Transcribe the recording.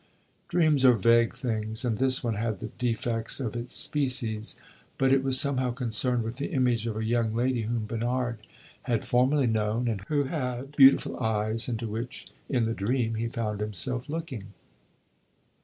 Dreams are vague things, and this one had the defects of its species; but it was somehow concerned with the image of a young lady whom Bernard had formerly known, and who had beautiful eyes, into which in the dream he found himself looking.